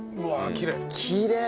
きれい！